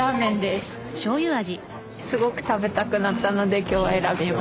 すごく食べたくなったので今日選びました。